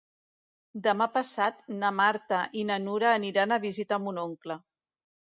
Demà passat na Marta i na Nura aniran a visitar mon oncle.